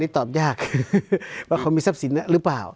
ตอบยากว่าเขามีทรัพย์สินหรือเปล่า